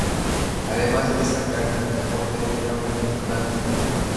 Además de destacar en el deporte era un gran estudiante.